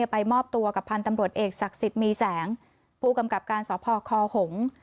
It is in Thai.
ไปมอบตัวกับพันธุ์ตำรวจเอกศักดิ์สิทธิ์มีแสงผู้กำกับการสพคหงษ์